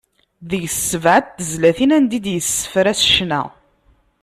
Deg-s sebɛa n tezlatin anda i d-yessefra s ccna.